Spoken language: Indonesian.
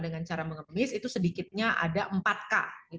dengan cara mengemis itu sedikitnya ada empat k